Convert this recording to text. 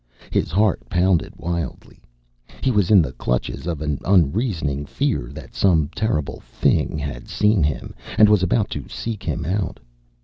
His heart pounded wildly. He was in the clutches of an unreasoning fear that some terrible Thing had seen him, and was about to seek him out.